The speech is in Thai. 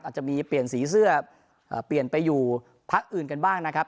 อาจจะมีเปลี่ยนสีเสื้อเปลี่ยนไปอยู่พักอื่นกันบ้างนะครับ